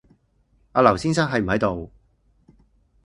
阿劉先生喺唔喺度